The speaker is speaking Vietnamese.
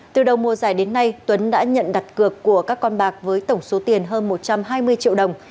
từ đầu mùa giải đến nay tuấn đã nhận đặt cược của các con bạc với tổng số tiền hơn một trăm hai mươi triệu đồng